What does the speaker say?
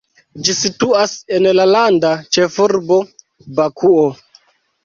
Ĝi situas en la landa ĉefurbo, Bakuo.